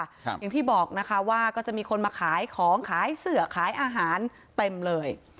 อย่างที่บอกนะคะว่าก็จะมีคนมาขายของขายเสือขายอาหารเต็มเลย